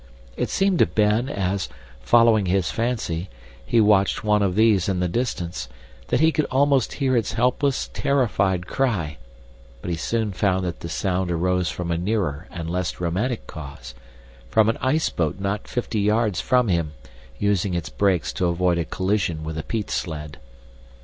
It seemed to Ben as, following his fancy, he watched one of these in the distance, that he could almost hear its helpless, terrified cry, but he soon found that the sound arose from a nearer and less romantic cause from an iceboat not fifty yards from him, using its brakes to avoid a collision with a peat sled.